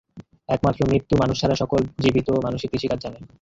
একমাত্র মৃত্যু মানুষ ছাড়া সকল জীবিত মানুষই কৃষিকাজ জানে।